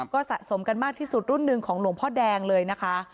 ก็สะสมกันมากที่สุดรุ่นหนึ่งของหลวงพ่อแดงเลยนะคะ